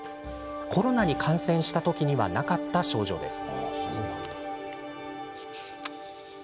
コロナに感染した時にはなかった症状です。